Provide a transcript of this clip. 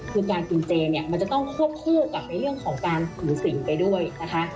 คือการกินเจเนี่ยมันจะต้องควบคู่กับในเรื่องของการถือสินไปด้วยนะคะ